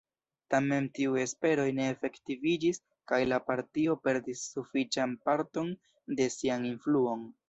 Tamen tiuj esperoj ne efektiviĝis kaj la partio perdis sufiĉan parton de sian influon.